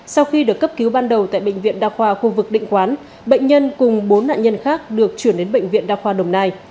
sau khi được cấp cứu ban đầu tại bệnh viện đa khoa khu vực định quán bệnh nhân cùng bốn nạn nhân khác được chuyển đến bệnh viện đa khoa đồng nai